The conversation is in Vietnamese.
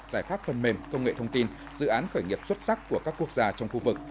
giải pháp phần mềm công nghệ thông tin dự án khởi nghiệp xuất sắc của các quốc gia trong khu vực